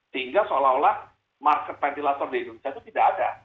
sehingga seolah olah market ventilator di indonesia itu tidak ada